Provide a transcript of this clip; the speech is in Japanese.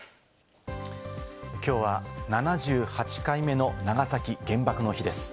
きょうは７８回目の長崎原爆の日です。